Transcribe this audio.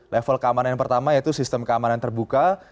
level keamanan yang pertama yaitu sistem keamanan terbuka